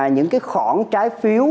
những cái khoản trái phiếu